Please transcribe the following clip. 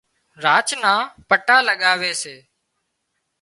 راچ نان پٽا لڳاوي سي